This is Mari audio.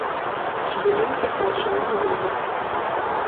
— Дементьев ала-молан йодо.